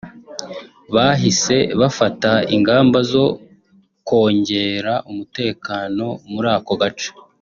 bahise bafata ingamba zo kongera umutekano muri ako gace